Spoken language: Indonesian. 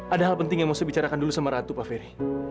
ada hal penting yang mau saya bicarakan dulu sama ratu pak ferry